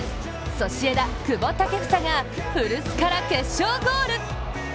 ソシエダ、久保建英が古巣から決勝ゴール。